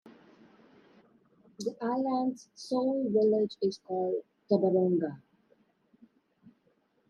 The island's sole village is called Tebaronga.